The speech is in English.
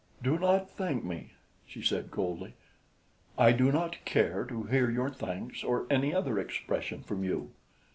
"Do not thank me," she said coldly. "I do not care to hear your thanks or any other expression from you.